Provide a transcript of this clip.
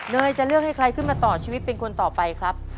จะเลือกให้ใครขึ้นมาต่อชีวิตเป็นคนต่อไปครับ